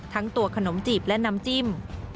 ทั้งตัวขนมจีบและน้ำจิ้ม